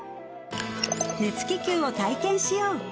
熱気球を体験しよう！